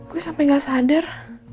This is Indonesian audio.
gue sampe nggak sadar